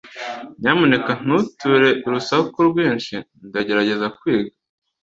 Nyamuneka ntutere urusaku rwinshi. Ndagerageza kwiga.